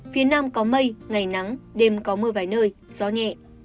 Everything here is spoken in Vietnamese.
phía nam có mây ngày nắng đêm có mưa vài nơi gió nhẹ